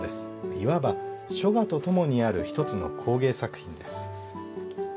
いわば書画と共にある一つの工芸作品です。